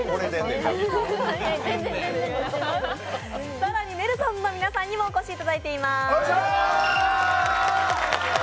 更にネルソンズの皆さんにもお越しいただいています。